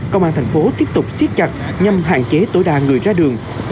công an thành phố tiếp tục siết chặt nhằm hạn chế tối đa người ra đường